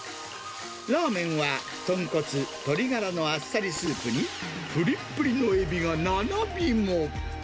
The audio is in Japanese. ラーメンは豚骨、鶏ガラのあっさりスープに、ぷりっぷりのエビが７尾も。